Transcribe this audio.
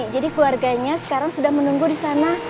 jadi keluarganya sekarang sudah menunggu di sana